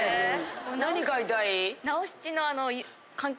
何買いたい？